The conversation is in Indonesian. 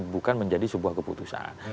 bukan menjadi sebuah keputusan